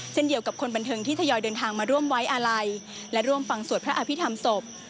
เช่นเดียวกับคนบันเทิงที่ทยอยเดินทางมาร่วมไว้อาลัยและร่วมฟังสวดพระอภิษฐรรมศพ